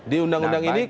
di undang undang ini